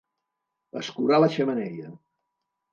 Escurar la xemeneia.